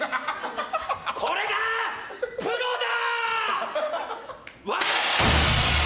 これがプロだ！